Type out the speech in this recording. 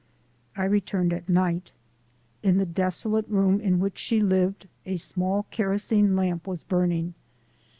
I returned at night. In the desolate room in which she lived a small kerosene lamp was burning.